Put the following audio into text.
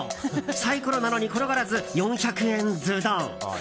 サイコロなのに転がらず４００円ズドン。